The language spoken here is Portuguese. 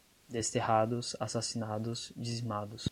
Desterrados, assassinados, dizimados